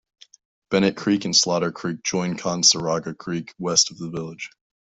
Bennett Creek and Slader Creek join Canaseraga Creek west of the village.